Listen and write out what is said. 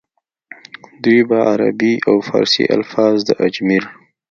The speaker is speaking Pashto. دوي به عربي او فارسي الفاظ د اجمېر